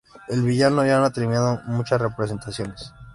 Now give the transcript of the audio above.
El villano ya ha tenido muchas representaciones.